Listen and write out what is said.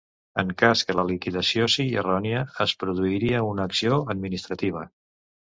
En cas que la liquidació sigui errònia, es produirà una actuació administrativa.